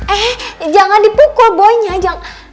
eh jangan dipukul boynya jangan